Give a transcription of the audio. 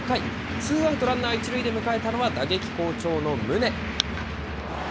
ツーアウト、ランナー１塁で迎えたのは、打撃好調の宗。